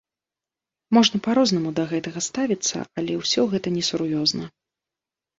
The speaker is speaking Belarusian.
Можна па-рознаму да гэтага ставіцца, але ўсё гэта не сур'ёзна.